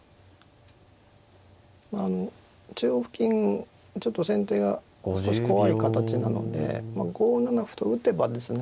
まああの中央付近ちょっと先手が少し怖い形なので５七歩と打てばですね